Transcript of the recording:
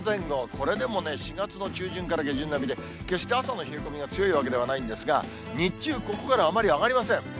これでもね、４月の中旬から下旬並みで、決して朝の冷え込みが強いわけではないんですが、日中、ここからあまり上がりません。